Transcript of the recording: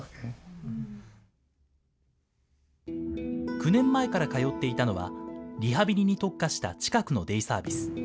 ９年前から通っていたのは、リハビリに特化した近くのデイサービス。